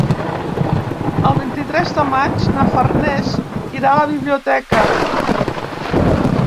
El vint-i-tres de maig na Farners irà a la biblioteca.